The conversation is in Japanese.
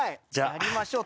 やりましょう。